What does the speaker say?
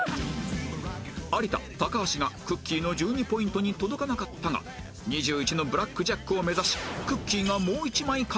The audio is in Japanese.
有田橋がくっきー！の１２ポイントに届かなかったが２１のブラックジャックを目指しくっきー！が